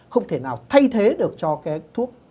không thể nào thay thế được cho cái thuốc